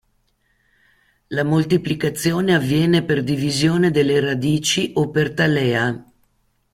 La moltiplicazione avviene per divisione delle radici o per talea.